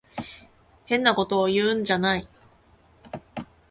変なことを言うんじゃない。